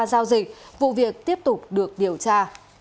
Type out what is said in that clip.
giao dịch vụ việc tiếp tục được điều tra